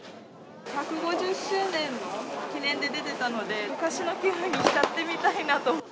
１５０周年の記念で出てたので、昔の気分に浸ってみたいなと。